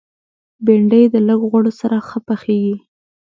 بېنډۍ د لږ غوړو سره ښه پخېږي